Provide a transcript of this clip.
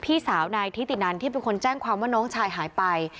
พี่สาวนายทิตินันที่เป็นคนแจ้งความว่าน้องชายหายไป